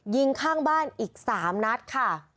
ยิงข้างบ้านอีก๓นัดค่ะ